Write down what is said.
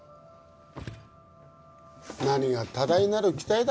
何が多大なる期待だ